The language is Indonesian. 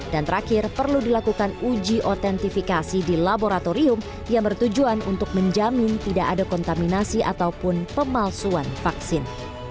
dan terakhir perlu dilakukan uji otentifikasi di laboratorium yang bertujuan untuk menjamin tidak ada kontaminasi ataupun pemalsuan vaksin